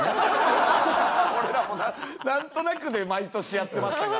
俺らもなんとなくで毎年やってましたからね。